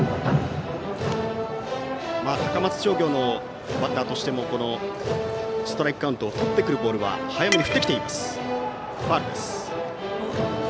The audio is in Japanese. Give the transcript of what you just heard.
高松商業のバッターとしてもストライクカウントをとってくるボールは早めに振ってきています。